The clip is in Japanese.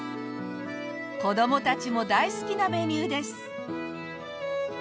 子供たちも大好きなメニューです。